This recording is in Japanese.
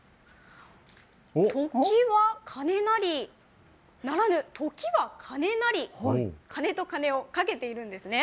時は鐘なり、ならぬ、時は金なり、かねをかけているんですね。